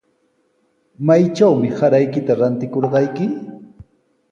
¿Maytrawmi saraykita ratikurqayki?